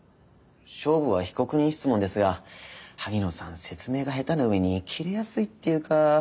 勝負は被告人質問ですが萩野さん説明が下手な上にキレやすいっていうか。